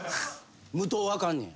無糖はあかんねや？